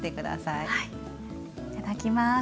いただきます。